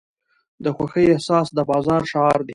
د خوښۍ احساس د بازار شعار دی.